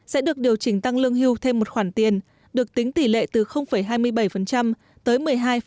sẽ được điều chỉnh tăng lương hưu thêm một khoản tiền được tính tỷ lệ từ hai mươi bảy tới một mươi hai ba mươi một